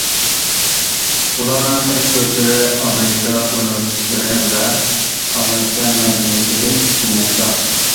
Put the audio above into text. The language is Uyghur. ئۇلارنىڭ خېلى كۆپلىرى ئامېرىكا ئۇنىۋېرسىتېتلىرى ۋە ئامېرىكا مەدەنىيىتىدىن مىننەتدار.